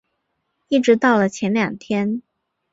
一直到了前两天